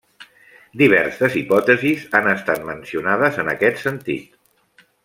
Diverses hipòtesis han estat mencionades en aquest sentit.